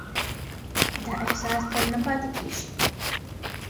دا احساس تل نه پاتې کېږي.